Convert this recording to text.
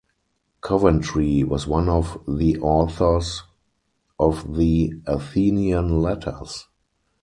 Coventry was one of the authors of the "Athenian Letters".